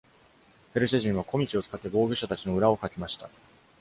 ペルシャ人は小道を使って防御者たちの裏をかきました。